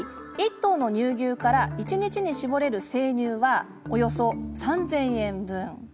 １頭の乳牛から一日に搾れる生乳はおよそ３０００円分。